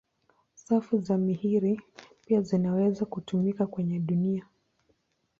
Safu za Mirihi pia zinaweza kutumika kwenye dunia.